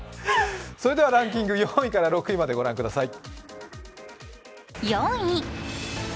それでは、ランキング４位から６位までご覧ください。